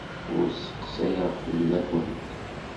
Ur sseqsayeɣ fell-awent.